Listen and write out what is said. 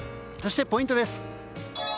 そしてポイントです。